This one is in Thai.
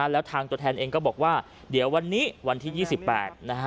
แล้วทางตัวแทนเองก็บอกว่าเดี๋ยววันนี้วันที่๒๘นะฮะ